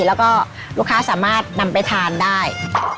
แล้วก็ลูกค้าสามารถนำไปทานได้